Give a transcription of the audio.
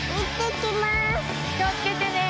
気を付けてね！